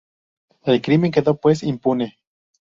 El crimen quedó pues impune.